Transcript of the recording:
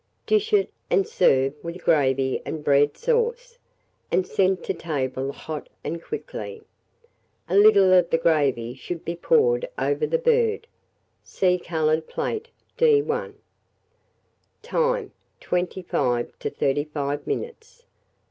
Dish it, and serve with gravy and bread sauce, and send to table hot and quickly. A little of the gravy should be poured over the bird. See coloured plate, D1. Time. 25 to 35 minutes.